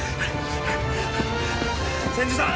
千住さん！